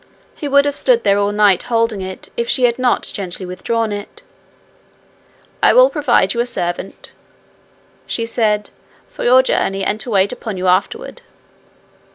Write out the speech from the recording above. He would have stood there all night holding it if she had not gently withdrawn it. 'I will provide you a servant,' she said, 'for your journey and to wait upon you afterward.'